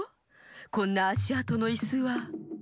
こんなあしあとのいすは。